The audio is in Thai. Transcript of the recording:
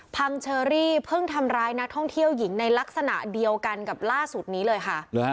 เชอรี่เพิ่งทำร้ายนักท่องเที่ยวหญิงในลักษณะเดียวกันกับล่าสุดนี้เลยค่ะ